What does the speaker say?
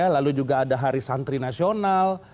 lalu juga ada hari santri nasional